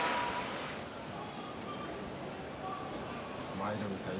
舞の海さん